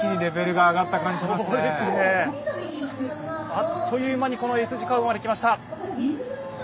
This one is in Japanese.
あっという間にこのＳ字カーブまで来ました。